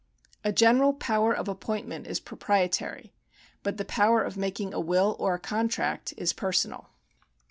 A general power of appointment is proprietary, but the power of making a will or a contract is personal.